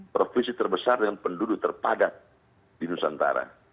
provinsi terbesar dengan penduduk terpadat di nusantara